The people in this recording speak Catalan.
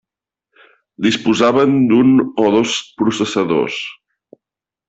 Disposaven d'un o dos processadors.